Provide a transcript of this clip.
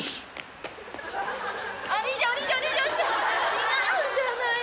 違うじゃないの。